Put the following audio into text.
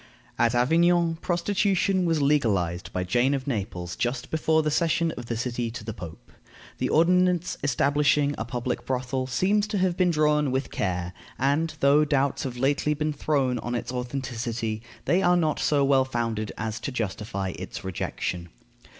At Avignon prostitution was legalized by Jane of Naples just before the cession of the city to the Pope. The ordinance establishing a public brothel seems to have been drawn with care, and, though doubts have lately been thrown on its authenticity, they are not so well founded as to justify its rejection.